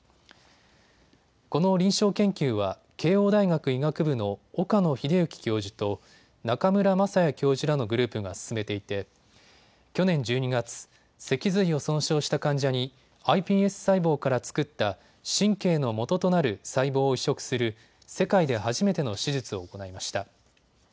この臨床研究は慶応大学医学部の岡野栄之教授と中村雅也教授らのグループが進めていて去年１２月、脊髄を損傷した患者にｉＰＳ細胞から作った神経のもととなる細胞を移植する世界で初めての手術を行いました。